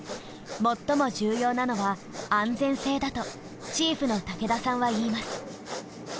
最も重要なのは安全性だとチーフの武田さんは言います。